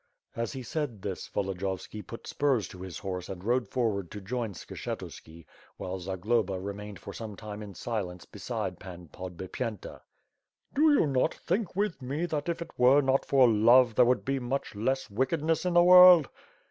As he said this, Volodiyovski put spurs to his horse and rode forward to join Skshetuski, while Zagloba remained some time in silence beside Pan Podbipyenta. "Do you not think with me that if it were not for love, there would be much less wickedness in the. world?"